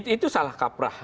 itu salah kaprah